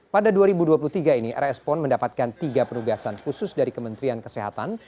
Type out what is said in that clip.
pada dua ribu dua puluh tiga ini rs pon mendapatkan tiga penugasan khusus dari kementerian kesehatan